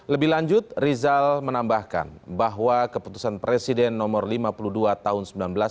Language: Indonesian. lebih lanjut rizal menambahkan bahwa keputusan presiden nomor lima puluh dua tahun seribu sembilan ratus sembilan puluh